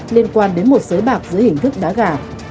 liên quan đến một sới bạc dưới hình thức đá gà